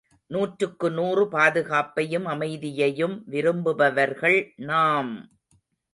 நூற்றுக்கு நூறு பாதுகாப்பையும் அமைதியையும் விரும்புபவர்கள் நாம்!